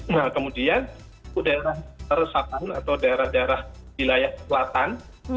nah kemudian itu daerah resapan atau daerah daerah wilayah selatan